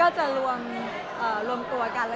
จะรวมตัวกัน